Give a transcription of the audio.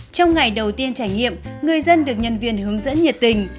trong ngày đầu tiên trải nghiệm người dân được nhân viên hướng dẫn nhiệt tình